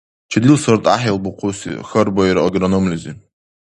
— Чидил сорт гӀяхӀил бухъуси? — хьарбаира агрономлизи.